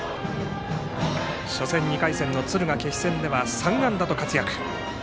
初戦、２回戦の敦賀気比戦では３安打と活躍。